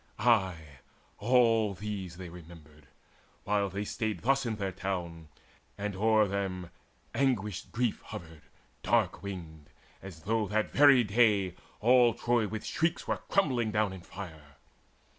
Ay, all these they remembered, while they stayed Thus in their town, and o'er them anguished grief Hovered dark winged, as though that very day All Troy with shrieks were crumbling down in fire.